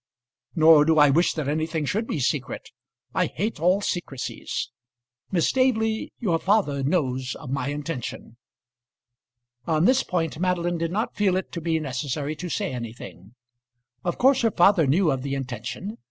"Nor do I wish that anything should be secret. I hate all secrecies. Miss Staveley, your father knows of my intention." On this point Madeline did not feel it to be necessary to say anything. Of course her father knew of the intention.